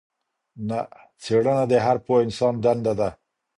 نه، څېړنه د هر پوه انسان دنده ده.